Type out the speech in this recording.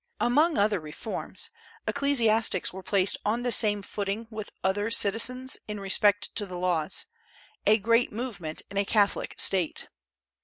Among other reforms, ecclesiastics were placed on the same footing with other citizens in respect to the laws, a great movement in a Catholic State.